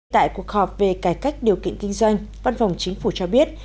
tại cuộc họp về cải cách điều kiện kinh doanh văn phòng chính phủ cho biết